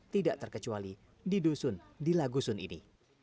tidak terkecuali di dusun di lagusun ini